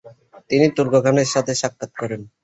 তিনি তুর্ক খানের সাথে সাক্ষাৎ করেন।